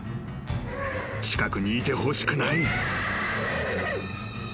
［近くにいてほしくない］